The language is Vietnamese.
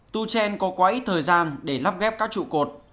tuch có quá ít thời gian để lắp ghép các trụ cột